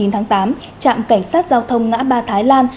chín tháng tám trạm cảnh sát giao thông ngã ba thái lan